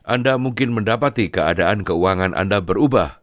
anda mungkin mendapati keadaan keuangan anda berubah